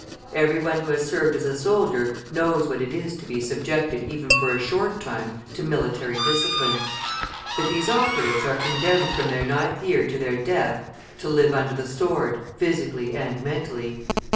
Every one who has served as a soldier knows what it is to be subjected even for a short time to military discipline. But these operatives are condemned from their ninth year to their death to live under the sword, physically and mentally.